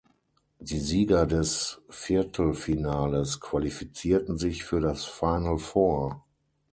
Die Sieger des Viertelfinales qualifizierten sich für das Final Four.